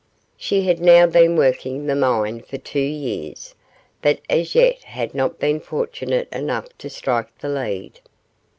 She had now been working the mine for two years, but as yet had not been fortunate enough to strike the lead.